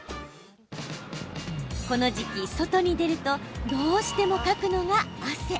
この時期、外に出るとどうしてもかくのが汗。